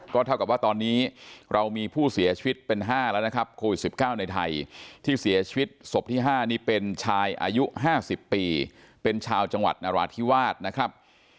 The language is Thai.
ก็เท่ากับว่าตอนนี้เรามีผู้เสียชีวิตเป็น๕แล้วนะครับโควิด๑๙ในไทยที่เสียชีวิตศพที่๕นี่เป็นชายอายุ๕๐ปีเป็นชาวจังหวัดนราธิวาสนะครับ